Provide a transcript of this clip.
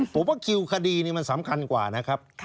ผมว่าคิวคดีนี้มันสำคัญกว่านะครับ